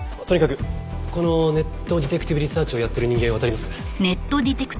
とにかくこのネットディテクティブリサーチをやってる人間を当たります。